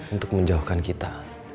untuk menjauhkan kita